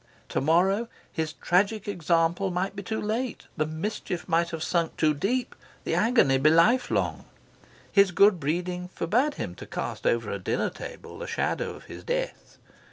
To morrow his tragic example might be too late, the mischief have sunk too deep, the agony be life long. His good breeding forbade him to cast over a dinner table the shadow of his death.